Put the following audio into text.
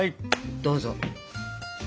どうぞ。